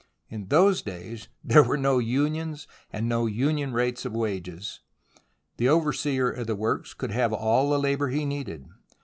In those days there were no unions, and no union rates of wages. The overseer of the works could have all the labour he needed.